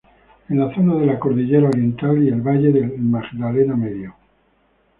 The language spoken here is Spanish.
En la zona de la cordillera Oriental y el valle del Magdalena Medio.